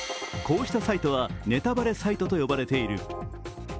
こうしたサイトはネタバレサイトと呼ばれている。